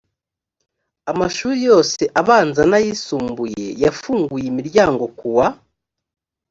amashuri yose abanza n ayisumbuye yafunguye imiryango ku wa